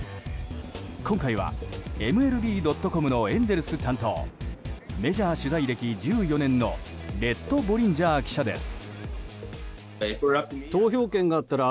今回は、ＭＬＢ．ｃｏｍのエンゼルス担当メジャー取材歴１４年のレット・ボリンジャー記者です。